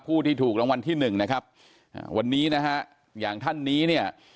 ผู้ที่ถูกรางวัลที่หนึ่งนะครับอ่าวันนี้นะฮะอย่างท่านนี้เนี่ย